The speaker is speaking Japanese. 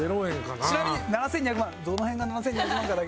ちなみに７２００万どの辺が７２００万かだけ。